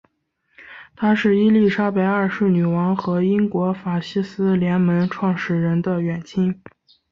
他是伊丽莎白二世女王和英国法西斯联盟创始人的远亲。